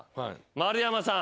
丸山さん。